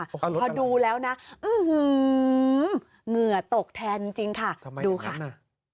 เอ้ารถอะไรพอดูแล้วนะอื้อหื้อเหงื่อตกแทนจริงค่ะดูค่ะทำไมอย่างนั้นน่ะ